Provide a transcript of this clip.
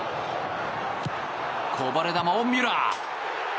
こぼれ球をミュラー。